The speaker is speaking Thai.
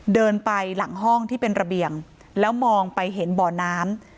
เดินไปหลังห้องที่เป็นระเบียงแล้วมองไปเห็นบ่อน้ำ